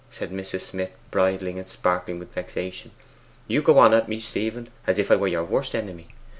said Mrs. Smith, bridling and sparkling with vexation. 'You go on at me, Stephen, as if I were your worst enemy!